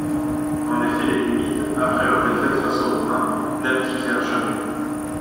En effet, les Numides, après leur défaite face aux Romains, n'abdiquèrent jamais.